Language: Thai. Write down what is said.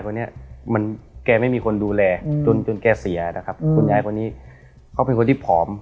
วันนี้มันแกไม่มีคนดูแลจนจนแกเสียนะครับคุณยายคนนี้เขาเป็นคนที่ผอม